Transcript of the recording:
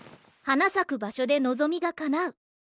花咲く場所で望みがかなう。